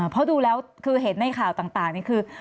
เพราะดูแล้วคือเห็นในข่าวต่างนี่คือ